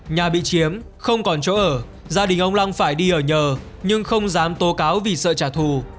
nhà bị chiếm không còn chỗ ở gia đình ông long phải đi ở nhờ nhưng không dám tố cáo vì sợ trả thù